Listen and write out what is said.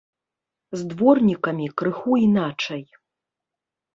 З дворнікамі крыху іначай.